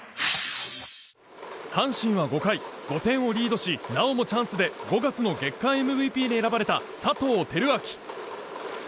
阪神は５回、５点をリードしなおもチャンスで５月の月間ＭＶＰに選ばれた佐藤輝明。